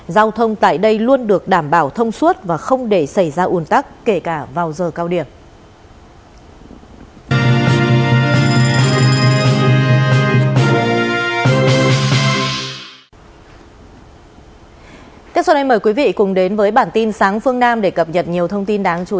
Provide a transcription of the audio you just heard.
giao thông tại đây luôn được đảm bảo thông suốt và không để xảy ra uồn tắc